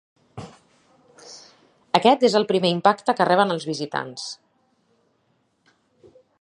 Aquest és el primer impacte que reben els visitants.